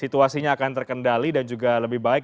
situasinya akan terkendali dan juga lebih baik